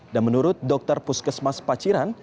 dan menurut dokter puskesmas paciran